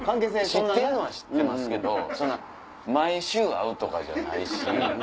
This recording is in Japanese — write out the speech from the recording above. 知ってるのは知ってますけど毎週会うとかじゃないし。